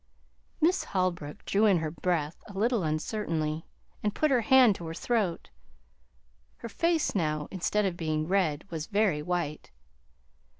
Miss Holbrook drew in her breath a little uncertainly, and put her hand to her throat. Her face now, instead of being red, was very white.